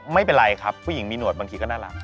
ไม่เป็นไรครับผู้หญิงมีหนวดบางทีก็น่ารัก